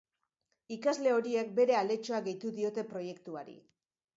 Ikasle horiek bere aletxoa gehitu diote proiektuari.